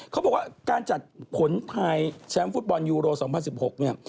เขาบอกว่าการจัดผลไทยแชมป์ฟุตบอลยูโร๒๐๑๖เนี่ย